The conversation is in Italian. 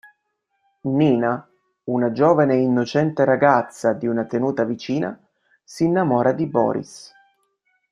Nina, una giovane e innocente ragazza di una tenuta vicina, si innamora di Boris.